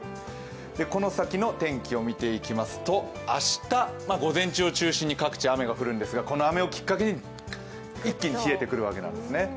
この先の天気を見ていきますと明日午前中を中心に各地、雨が降るんですがこの雨をきっかけに一気に冷えてくるんですね。